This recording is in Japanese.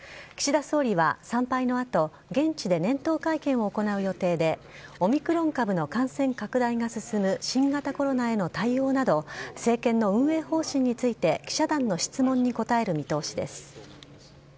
岸田総理は参拝のあと、現地で年頭会見を行う予定で、オミクロン株の感染拡大が進む新型コロナへの対応など、政権の運営方針について記者団の質問に答える見通しです。